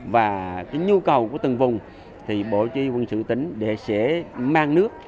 và cái nhu cầu của từng vùng thì bộ truy quân sự tính để sẽ mang nước